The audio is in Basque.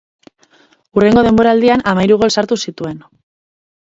Hurrengo denboraldian hamahiru gol sartu zituen.